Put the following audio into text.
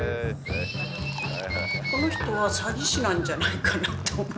この人は詐欺師なんじゃないかなって。